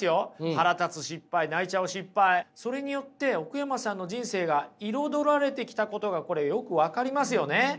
腹立つ失敗泣いちゃう失敗それによって奥山さんの人生が彩られてきたことがこれよく分かりますよね。